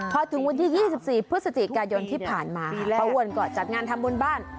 พอถึงวันที่๒๔พฤศจิกายนที่ผ่านมาป้าอ้วนก็จัดงานทำบุญบ้าน